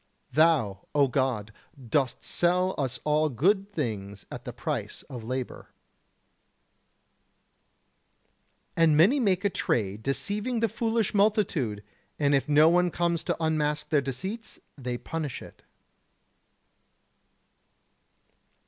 104. Thou, O God, dost sell us all good things at the price of labour. 105. And many make a trade deceiving the foolish multitude, and if no one comes to unmask their deceits, they punish it.